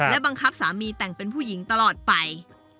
และบังคับสามีแต่งเป็นผู้หญิงตลอดไป